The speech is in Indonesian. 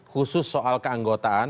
khusus soal keanggotaan